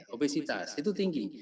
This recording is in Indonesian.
obesitas itu tinggi